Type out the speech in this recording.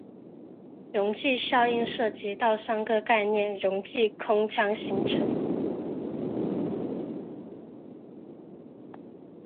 溶剂效应涉及到三个概念溶剂空腔形成。